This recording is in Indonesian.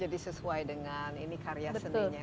jadi sesuai dengan ini karya seninya